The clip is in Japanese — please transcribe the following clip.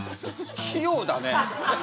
器用だね。